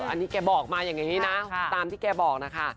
อันนี้แกบอกมาอย่างนี้นะตามที่แกบอกนะคะ